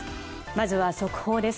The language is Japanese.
まずは速報です。